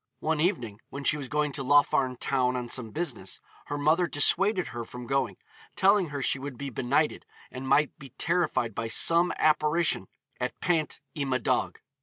One evening when she was going to Laugharne town on some business, her mother dissuaded her from going, telling her she would be benighted, and might be terrified by some apparition at Pant y Madog.